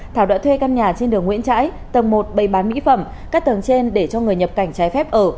thảo đã thuê căn nhà trên đường nguyễn trãi tầng một bày bán mỹ phẩm các tầng trên để cho người nhập cảnh trái phép ở